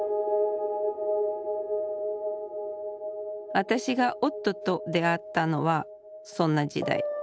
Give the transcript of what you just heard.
私が夫と出会ったのはそんな時代。